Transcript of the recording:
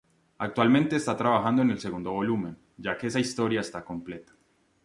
Actualmente está trabajando el segundo volumen, ya que esa historia está completa.